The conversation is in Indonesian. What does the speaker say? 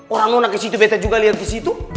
orang nona ke situ betta juga lihat ke situ